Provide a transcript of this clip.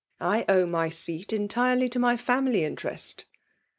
I owe my seat entirely to my family interest.'